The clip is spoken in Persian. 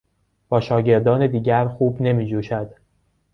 با شاگردان دیگر خوب نمیجوشد.